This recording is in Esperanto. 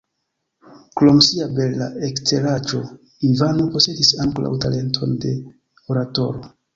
Krom sia bela eksteraĵo Ivano posedis ankoraŭ talenton de oratoro.